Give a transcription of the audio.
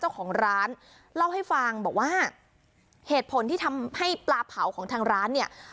เจ้าของร้านเล่าให้ฟังบอกว่าเหตุผลที่ทำให้ปลาเผาของทางร้านเนี่ย